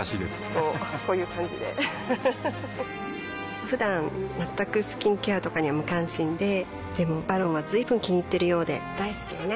こうこういう感じでうふふふだん全くスキンケアとかに無関心ででも「ＶＡＲＯＮ」は随分気にいっているようで大好きよね